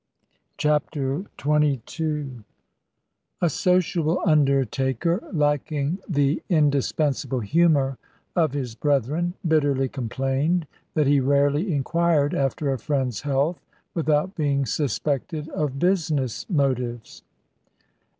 CHAPTER XXII A sociable undertaker, lacking the indispensable humour of his brethren, bitterly complained that he rarely inquired after a friend's health without being suspected of business motives.